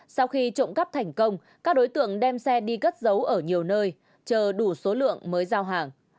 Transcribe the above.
sau khi trộm cắp thành công các đối tượng đem xe đi cất giấu ở nhiều nơi chờ đủ số lượng mới giao hàng